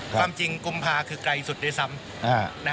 ความจริงกุมภาพันธุ์คือกลายสุดด้วยซ้ำ